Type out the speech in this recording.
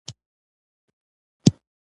خو دا یې ښودله چې دی هم د وچکالۍ.